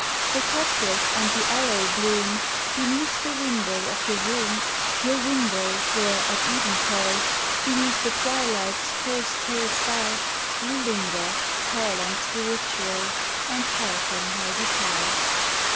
The cactus and the aloe bloom Beneath the window of your room; Your window where, at evenfall, Beneath the twilight's first pale star, You linger, tall and spiritual, And hearken my guitar.